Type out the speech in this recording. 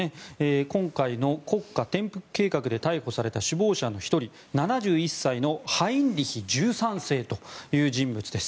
今回の国家転覆計画で逮捕された首謀者の１人７１歳のハインリヒ１３世という人物です。